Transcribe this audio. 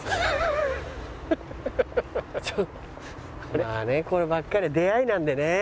こればっかりは出会いなんでね。